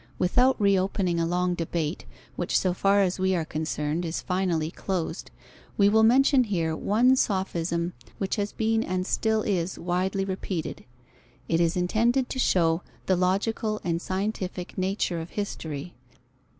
Without reopening a long debate, which so far as we are concerned, is finally closed, we will mention here one sophism which has been and still is widely repeated. It is intended to show the logical and scientific nature of history.